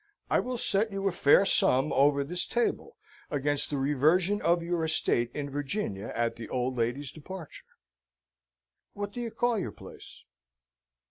I will set you a fair sum over this table against the reversion of your estate in Virginia at the old lady's departure. What do you call your place?"